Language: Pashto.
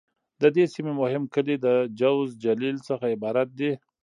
د دې سیمې مهم کلي د: جوز، جلیل..څخه عبارت دي.